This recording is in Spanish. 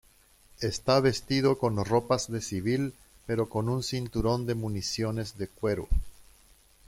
Está vestido con ropas de civil pero con un cinturón de municiones de cuero.